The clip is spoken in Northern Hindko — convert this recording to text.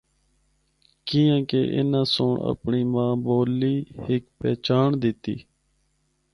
کیانکہ اناں سنڑ اپنڑی ماں بولی ہک پہچانڑ دتی۔